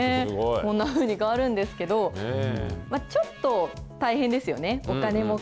こんなふうに変わるんですけど、ちょっと大変ですよね。